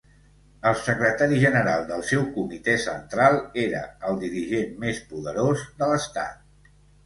El secretari general del seu Comitè Central era el dirigent més poderós de l'Estat.